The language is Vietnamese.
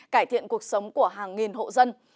cải thiện cuộc sống của hàng nghìn hộ dân